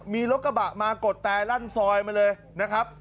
มีรถกระบะมากดแตรลั่นซอยมาเลยนะครับ